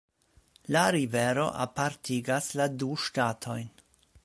La rivero apartigas la du ŝtatojn.